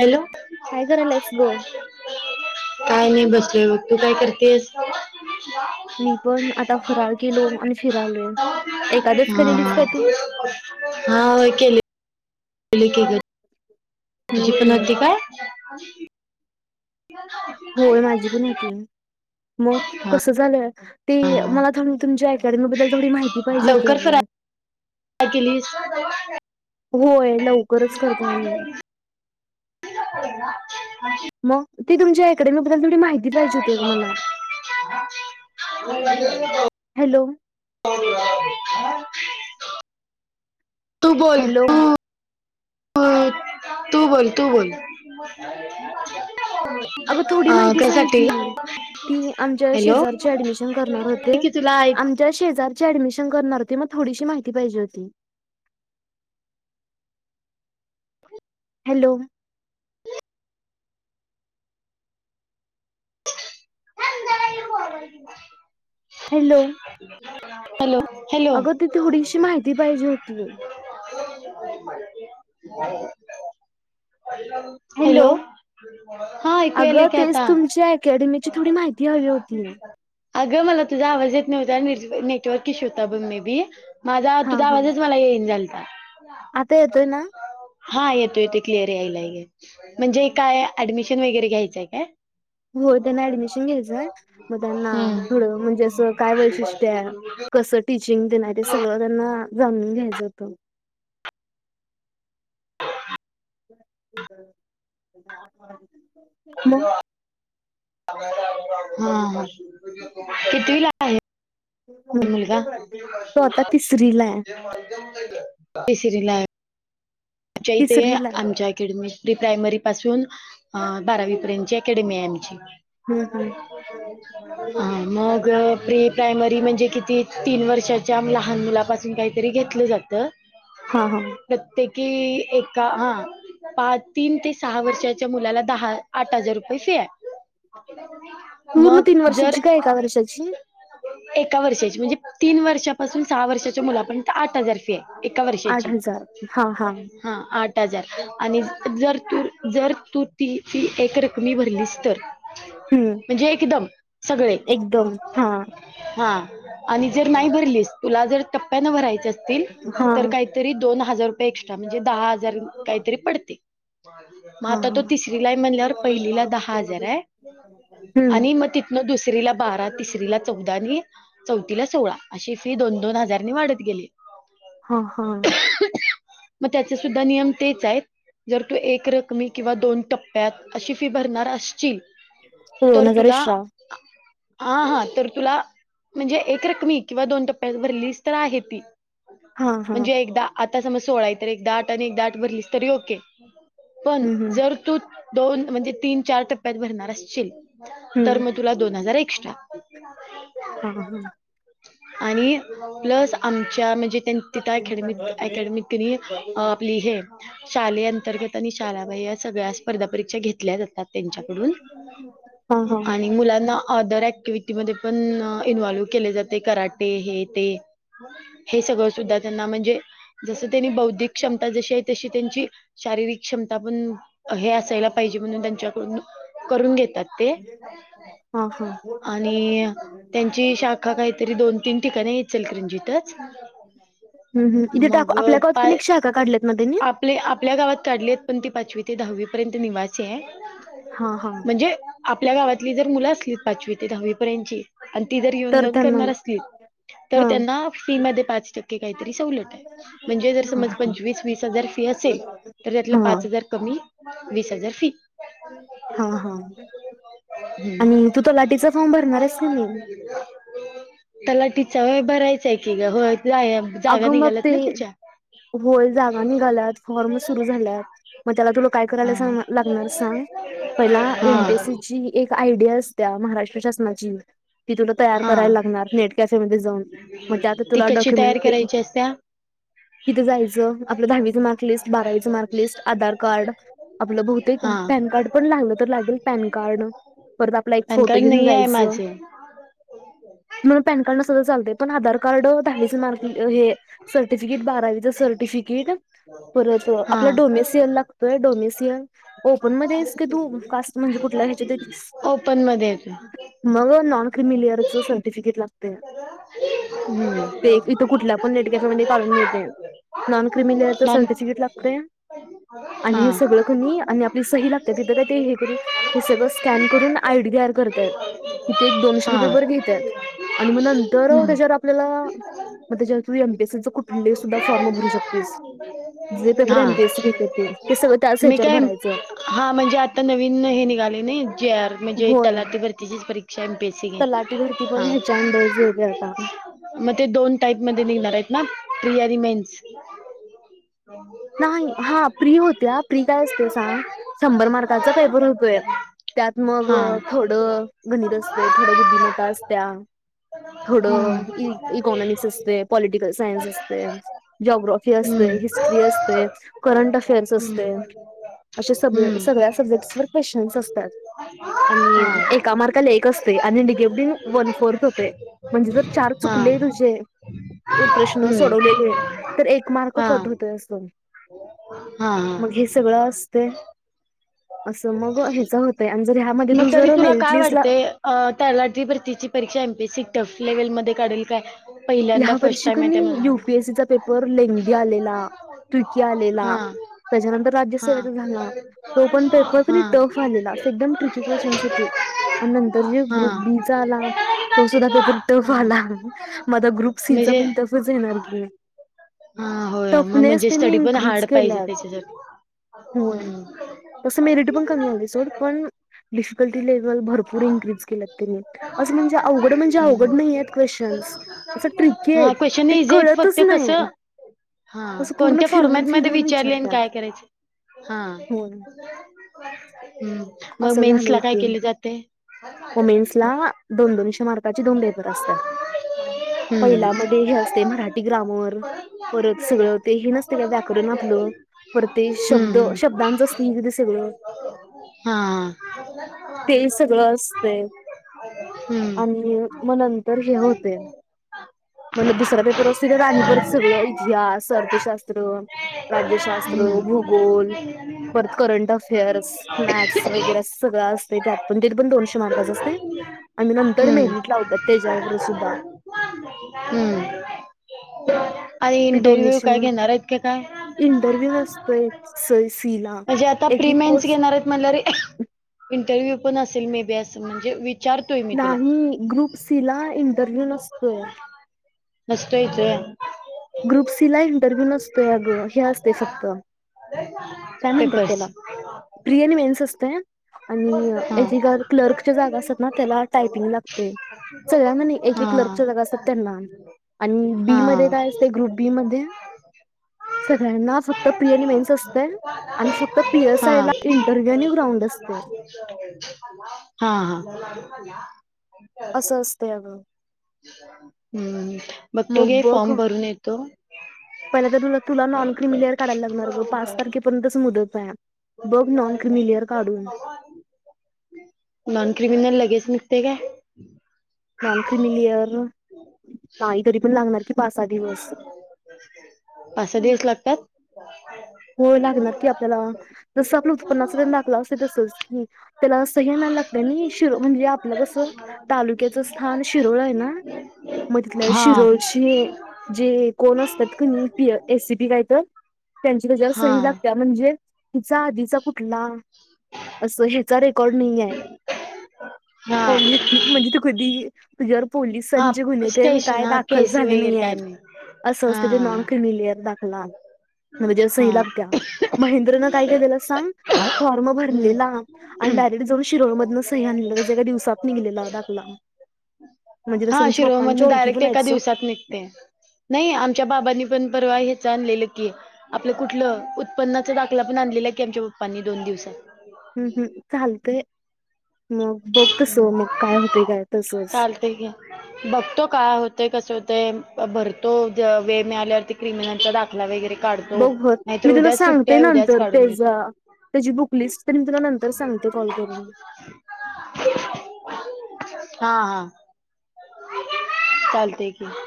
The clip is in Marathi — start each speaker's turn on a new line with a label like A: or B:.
A: हॅलो.
B: काय करायलास गं?
A: काय नाही बसलोय बघ तू काय करतेस?
B: मी पण आता फराळ केलो आणि फिरालोय
A: हा
B: एकादस केरेलीस काय तू?
A: हा व्हयं केले केले की गं.
B: हम्म
A: तुझी पण
B: हम्म
A: होती काय?
B: होय माझी पण होती मग
A: हा
B: कसं झालंय? ती मला थांब तुमच्या अकॅडमी बद्दल थोडी माहिती पाहिजे होती अगं.
A: काय केलीस?
B: होय लवकरच करतोय आम्ही.
A: [unintelligible]
B: म ती तुमच्या अकॅडमी बद्दल थोडी माहि
A: [unintelligible]
B: हॅलो.
A: तू बोल
B: हॅलो.
A: तू [unintelligible] तू बोल तू बोल.
B: अगं थोडी
A: अ
B: माहिती सांग
A: कशासाठी
B: की. ती आमच्या
A: हॅलो
B: शेजारचे ऍडमिशन करणार होते
A: की तुला ऐक
B: आम च्या शेजारची ऍडमिशन करणार होती म थोडीशी माहिती पाहिजे होती. हॅलो. हॅलो.
A: Hello hello.
B: अगं ती थोडीशी माहिती पाहिजे होती.
A: [unintelligible] हॅलो हा ऐकू यायले
B: अगं
A: की
B: तेच
A: आता.
B: तुमच्या अकॅडमीची थोडी माहिती हवी होती.
A: अगं मला तुझा आवाज येत नव्हता आणि [unintelligible] नेटवर्क इश्यू होता बघ मे बी माझा
B: हा
A: तुझ्या
B: हा
A: आवाजच मला येई न झालता.
B: आता येतोय ना
A: हा येतो येतो क्लिअर यायलाय गे म्हणजे काय ऍडमिशन वगैरे घ्यायचंय काय?
B: हो त्यांना ऍडमिशन घ्यायचं. म त्यांना
A: हम्म
B: थोड म्हणजे असं काय वैशिष्ट्य हाय कसं टीचिंग तेन आहे ते सगळं त्यांना जाणून घ्यायचं होतं. [unintelligible]
A: [unintelligible] हा हा कितवीला आहे?
B: हम्म.
A: मुलगा
B: तो आता तिसरीला आहे
A: तिसरीला आहे. च्या इथे
B: तिसरीला आहे.
A: आमच्या अकॅडमीस प्री प्रायमरी पासून बारावी अ पर्यंतची अकॅडमी आहे आमची.
B: [unintelligible]
A: [unintelligible] हा मग, प्री प्रायमरी म्हणजे किती? तीन वर्षाच्या लहान मुलापासून काही तरी घेतलं जातं.
B: हा हा.
A: प्रत्येकीई, एका हा, पा तीन ते सहा वर्षाच्या मुलाला दहा आट हजार रुपये फी आहे.
B: पूर्ण
A: मग
B: तीन
A: जर
B: वर्षाची का एका वर्षाची
A: एका वर्षाची. म्हणजे तीन वर्षापासून सहा वर्षाच्या मुलापर्यंत आट हजारए. एका
B: आठ
A: वर्षाची फी
B: हजार हा हा
A: हा, आट हजार. आणि जर तू जर तू फी ती एकरकमी भरलीस तर,
B: हम्म
A: म्हणजे एकदम सगळे.
B: एकदम हा
A: हा आणि जर नाही भरलीस, तुला जर टप्प्याने भरायचे असतील,
B: हा
A: तर कायी तरी दोन हजार रुपये एक्स्ट्रा, म्हणजे दहा हजार रूप काहीतरी पडतील. म
B: हा
A: आता तो
B: हा
A: तिसरीला म्हणल्यावर पहिलीला दहा हजारए?
B: हम्म
A: आणि मग तितनं दुसरीला बारा, तिसरीला चौदा नि चौथीला सोळा, अशी फी दोन दोन हजारनी वाढत गेली.
B: हा हा
A: म त्याचे सुद्धा नियम तेच आहेत? जर तू एक रकमी किंवा दोन टप्प्यात अशी फी भरणार अश्चिल
B: दोन
A: तर
B: हजार
A: तुला,
B: एक्स्ट्रा
A: आ आहा तर तुला म्हणजे एक रकमी किंवा दोन टप्प्यान वर रलीस तर आहे ती
B: हा हा
A: म्हणजे एकदा, आता समजा सोळाय एकदा आट आणि एकदा आट भरलीस तरी ओके, पण
B: हम्म हम्म
A: जर तू दोन म्हणजे तीन चार टक् प्यात भणार असशील, तर
B: हम्म
A: मग तुला दोन हजार एक्ट्रा
B: हा हा
A: आणि प्लस आमच्या म्हणजे त्यां तितंय खेडणीत ऐक त्यांनी क्नि आपली हे शालेअंतर्गत आणि शाळाबाह्य हया सगळ्या स्पर्धा परीक्षा घेतल्या जातात त्यांच्याकडून.
B: हा हा
A: आणि मुलांना ऑदर ऍक्टिव्हटीमध्ये पण इन्व्हॉल्व्ह केले जाते करराटे हे ते हे सगळं सुद्धा त्यांना म्हणजे, जसं त्यानी बौद्धिक क्षमता जशी आहे तशी आहे त्यांची शारीरिक क्षमता पण हे असायला पाहिजे म्हणून त्यांच्याकडून करून घेतात. ते?
B: हा हा
A: आणि त्यांची शाखा काही तरी दोन तीन ठिकाणी इचलकरंजीतंत ते
B: ह् हं, तिथं आप आपल्या कॉनी
A: पा
B: पण शाखा काढल्यात. ना त्यांनी
A: आपले आपल्या गावात काढली आहेत, पण ती पाचवी ते दहावी पर्यंत निवासीए
B: हा हा
A: आपल्या गावातली जर मुलं असली पाचवी ते दहावी पर्यंतची आणि ती जर
B: तर
A: युनजाऊन
B: त्यांना
A: करणार असतील तर
B: हा
A: त्यांना फी मधे पाच टक्क
B: हा
A: कायतरी सवलताय, म्हणजे ज समज पंचवीस वीस हजार फी असेल तर त्यातलं
B: हा
A: पाच हजार कमी वीस हजार फी.
B: हा हा.
A: [inaudible]
B: आणि तू तलाठीचा फॉर्म भरणार आहेस का नाही
A: त्याला तिचंय भरायचंय की गं, होय जाया जागा
B: अगं मग
A: निघाल्यात
B: ते
A: ना त्याच्या?
B: होय जागा निघालात फॉर्म सुरू झाल्यात म त्याला तुला करायला सांगणा
A: [unintelligible]
B: पहिला
A: हा
B: एमपीएससी ची एक आयडिया असत्या महाराष्ट्र शासनाची ती तुला तयार
A: हा
B: करायला लागणार नेट कॅफेमध्ये जाऊन मग ते आता
A: ती
B: तुला
A: कशी
B: डक्युमेंट
A: तयार करायची असत्या
B: तीथे जायचं आपलं दहावीचं मार्क लिस्ट, बारावीचं मार्क लिस्ट, आधार कार्ड आपलं बहुतेक
A: हा
B: पॅन कार्ड पण लागलं तर लागेल पॅन कार्ड परत आपला एक
A: पॅन
B: फोटो
A: कार्ड
B: घेऊन
A: नाही आहे
B: जायचं
A: माझे
B: म्हणून पॅन कार्ड नसल तर चालतय पण आधार कार्ड दहावीच मार्क हे सर्टिफिकेट बारावीचा सर्टिफिकेट परत
A: हा
B: आपला डोमेसियन लागतोय डोमेसियन ओपन मध्ये आहेस का तू कास्ट म्हणजे कुठल्या ह्याच्यात येतीस
A: ओपनमध्ये येत
B: मग नॉन क्रिमिलियरच सर्टिफिकेट लागतय ते ते कुठल्या पण नेट कॅफेमध्ये काढून मिळते नॉनक्रिमिलियरच
A: नॉन
B: सर्टिफिकीट लागतय
A: [unintelligible]
B: आणि हे सगळं कणी आणि आपली सही लागत्या तिथं का ते हे करून हे सगळं स्कॅन करून आय डी तयार करत्यात तिथं एक दोन शे रुपये बर
A: हम्म.
B: घेत्यात आणि मग नंतर त्याच्यावर आपल्याला मग त्याच्या तू एमपीएसी चे कुठले सुद्धा फॉर्म भरू शकतेस जे पेपर
A: हा
B: एमपीएसी घेते ते ते सगळं त्याच
A: मी
B: याच्यावर
A: काय
B: भरायचं
A: हा म्हणजे आता नवीन हे निघाले नाही जीआर म्हणजे तलाठी भरतीचीच परीक्षा एमपी
B: तलाठी भरती पण ह्याच्या अंडर येत आता
A: मग ते दोन टाईप मध्ये निघणार आहेत ना प्री आणि मेन्स
B: नाही हा फ्री होत्या फ्री काय असते शंभर मार्काचा पेपर होतोयं त्यात मग
A: हा
B: थोडं गणित असतय थोडं बुद्धिमत्ता असत्या
A: हम्म
B: थोडं इकॉनॉमिक्स असतय पॉलिटिकल सायन्स असतय जॉग्राफी असतय, हिस्ट्री असतय, करंट अफेअर्स
A: हम्म
B: असतय अशे सग
A: हम्म
B: सगळ्या सब्जेक्ट क्वेश्चन्स असतात आणि
A: हम्म
B: एक एका मार्काला एक असतय आणि वन फोर्थ होतय म्हणजे जर चार
A: हा हा
B: तुझे प्रश्न
A: हम्म
B: सोडवलेले तर एक मार्क
A: हा
B: कट होतयं असं
A: हा हा
B: हे सगळं असतय असं मग ह्याच होतंय आणि जर ह्यामध्ये तू जर मेरिट लिस्ट ला
A: अ तलाठी भरतीची परीक्षा एमपीससी टफ लेव्हल मध्ये काढल काय पहिल्यांदा
B: या
A: फर्स्ट
B: वर्षी
A: टाइम आहे
B: कणी
A: त्या म्हणाव
B: युपीएससी पेपर लेंगी आलेला तुर्की आलेला
A: हा
B: त्याच्यानंतर राज्य
A: हा
B: सेवेचा झाला तो पण पेपर
A: हा
B: तरी
A: हा
B: टफ आलेला एकदम ट्रिकी क्वेशचन्स होतीत आणि नंतर जे
A: हा
B: ग्रुप बीचा आला तो सुद्धा पेपर टफ आला मग आता ग्रुप सी चा
A: म्हणजे
B: पण टफच येणार की
A: हा होय मग
B: टफनेस
A: म्हणजे
B: त्यांनी
A: स्टडी पण हार्ड
B: इन्क्रीज
A: पाहिजे
B: केल्यात
A: त्याच्यासाठी
B: होय
A: हम्म
B: तसं मेरिट पण कमी आलती सोड पण डिफिकल्ट लेवल भरपू फूड इनक्रीज केला त्यांनी असं म्हणजे अवघड म्हणजे अवघड नाही क्वेश्चन्स असं ट्रिकी
A: हा
B: आहेत
A: क्वेशन
B: ते
A: इझी आहेत फक्त
B: कळतच नाही
A: कसं हा
B: असं पूर्ण
A: कोणत्या
B: फिरवून
A: फॉर्मॅटमध्ये
B: फिरवून
A: विचारले आणि
B: विचारतात
A: काय करायचे हा
B: हो
A: हम् मग मेन्स ला काय केल जातय
B: मेन्सला दोन दोनशे मार्काचे दोन पेपर असतात.
A: हम्म.
B: पहिल्यामध्ये हे असते मराठी ग्रामर परत सगळं ते हे नसते का व्याकरण आपल परत ते शब्द
A: हम्म हम्म.
B: शब्दांच असत के सगळं
A: हा हा.
B: ते सगळं आम्ही मग नंतर हे होते.
A: हम्म.
B: म्हणलं दुसरा पेपर असतील तर राणीपरत सगळं इतिहास, अर्थशास्त्र राज्यशास्त्र, भूगोल पर करंट अफेअर्स मॅथस वगैरे सगळं असते त्यात पण ते पण दोनशे मार्क असं असते आम्ही नंतर मिरीट लावतेत तेजावर सुद्धा
A: हम्म
B: ते
A: इंटरव्यू
B: दोन्हीची
A: घेणार आहेत कि काय?
B: इंटरव्ह्यू नसतोय स सी ला
A: म्हणजे आता
B: एक एक
A: प्रीमियन्स
B: पोस्ट
A: घेणार आहेत म्हणल्यारे इंटरव्ह्यू पण असेल मे बी असं म्हणजे विथ
B: नाही. ग्रुप सी ला इंटरव्ह्यू नसतोयं
A: नसतोय काय?
B: ग्रुप सी ला इंटरव्ह्यू नसतोयं अगं हे असते फक्त काय म्हणतात
A: पेपर्स.
B: त्याला? प्रिविन मेन्स असते. आणि एजी
A: हा.
B: क्लर्कच्या जागा असतात ना त्याला टायपिंग लागते. सगळ्यांना एक एक कर्ल्क जागा असतात त्यांना आणि
A: हा.
B: बी मध्ये
A: हा.
B: काय असत? ग्रुप बी मध्ये सगळ्यांना फक्त प्रि आणि मेन्स असतय आणि फक्त
A: हा.
B: पीएसआयला इंटरव्हू आाणि ग्राउंड असते.
A: हा हा
B: असं असते अगं
A: तु
B: मग
A: फॉर्म
B: बघ
A: भरून येतो
B: पहिला तुला नॉन क्रिमिलेअर कढायला लागणार गं पाच तारखेपर्यंतच मुदत आहे. बघ नॉन क्रिमिलियर काढून
A: नॉन क्रिमिनल लगेच निघते ग
B: नॉन क्रिमिलियर नाही तरी पण लागणार की पाच सहा दिवस
A: पाच सहा दिवस लागतात
B: हो लागणार की आपल्याला जसं आपल्या उत्पन्नाच दाखला असे तसच की त्यालां हे नाही लागतय शिर म्हणजे आपलं कसं तालुक्याचं स्थान शिरोवळ आहे ना मग तिथल्या
A: हा
B: शिरळची जे कोण असतात क नाही एसीपी काय तर जस
A: हा
B: ही लागत म्हणजे तिचा आधीचा कुठला असं हेचा रेकॉर्ड नाही आहे
A: हा
B: पोलीस म्हणजे जर
A: हा
B: पोलिसांचे गुन्हे ते
A: स्टेशन
B: काय
A: हा
B: दाखल
A: केस
B: झाले
A: वगैरे
B: नाही
A: काय
B: आहेत असं
A: हा
B: असत ते नॉन किमिलियर दाखला म्हणजे
A: हा
B: सही लागत्या महेंद्रनं काय केलेलं सांग फॉर्म
A: हम्म
B: भरलेला आणि डायरेक्ट जाऊन शिरोळ मधनं सह्या आणलं ज एका दिवसात निघलेला दाखला म्हणजे तसं
A: हा
B: आमच्या
A: शिरोळ
B: पप्पांच्या
A: मधन
B: ओळखी
A: डायरेक्ट
B: पण आहेत
A: एका
B: सोड
A: दिवसात निघते नाही आमच्या बाबांनी पण परवा आणलेलं की आपलं कुठलं उत्पन्नाचा दाखला पण आणलेला की आमच्या पप्पांनी दोन दिवसात
B: हम् हम् चालतय मग बघ तस मग काय होतेय काय तसच
A: चालतय की बघतो काय होतेय कस होतेय भरतो वेळ मिळाल्यावरती क्रिमिनलचा दाखला ला वगैरे काढतो
B: बघ भर
A: नाहीतर
B: मी तुला
A: उद्याच सुट्टी
B: सांगते
A: आहे उद्याच
B: नंतर
A: काढून घेतो.
B: तेजा त्याची बुकलिस्ट ते मी तुला नंतर सांगते कॉल करून.
A: हा हा [unintelligible] चालते की.